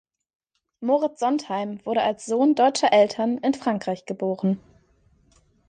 Moriz Sondheim wurde als Sohn deutscher Eltern in Frankreich geboren.